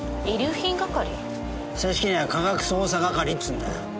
正式には科学捜査係っつうんだよ。